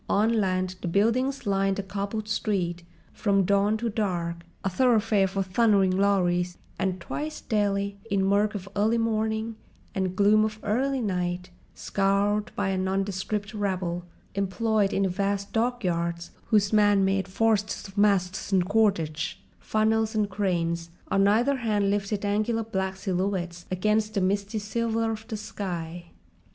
On land the buildings lined a cobbled street, from dawn to dark a thoroughfare for thundering lorries and, twice daily, in murk of early morning and gloom of early night, scoured by a nondescript rabble employed in the vast dockyards whose man made forests of masts and cordage, funnels and cranes, on either hand lifted angular black silhouettes against the misty silver of the sky.